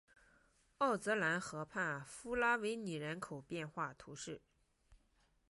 奥泽兰河畔弗拉维尼人口变化图示